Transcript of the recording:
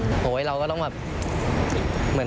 เพราะว่าเราก็ต้องแบบ